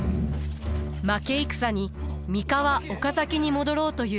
負け戦に三河岡崎に戻ろうという家臣たち。